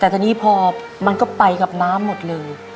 แต่ตอนนี้พอมันก็ไปกับน้ำหมดเลย